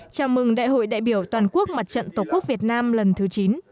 chào mừng đại hội đại biểu toàn quốc mặt trận tổ quốc việt nam lần thứ chín